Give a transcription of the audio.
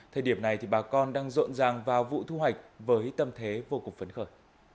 thời điểm này thì bà con đang rộn ràng vào vụ thu hoạch với tâm thế vô cùng phấn khởi